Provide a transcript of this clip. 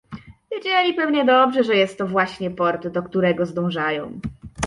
"Wiedzieli pewnie dobrze, że jest to właśnie port, do którego zdążają."